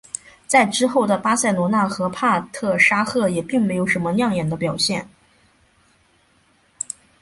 在之后的巴塞罗那和帕特沙赫也并没有什么亮眼的表现。